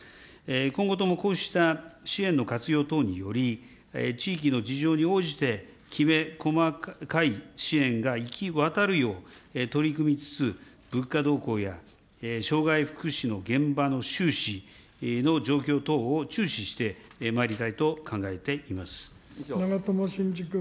今後ともこうした支援の活用等により、地域の事情に応じてきめ細かい支援が行き渡るよう取り組みつつ、物価動向や、障害福祉の現場の収支の状況等を注視してまいりたいと考えていま長友慎治君。